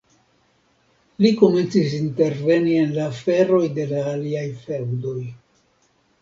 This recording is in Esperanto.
Li komencis interveni en la aferoj de la aliaj feŭdoj.